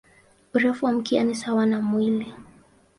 Urefu wa mkia ni sawa na mwili.